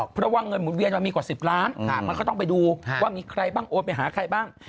เพราะว่าเงินหมุนเวียนมันมีกว่า๑๐ล้านมันก็ต้องไปดูว่ามีใครบ้างโอนไปหาใครบ้าง